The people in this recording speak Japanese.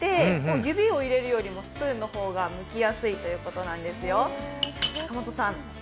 指を入れるよりも、スプーンの方がむきやすいということですよ。